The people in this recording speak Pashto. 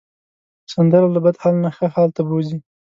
سندره له بد حال نه ښه حال ته بوځي